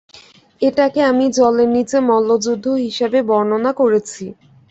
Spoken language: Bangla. এটাকে আমি জলের নীচে মল্লযুদ্ধ হিসেবে বর্ণনা করেছি।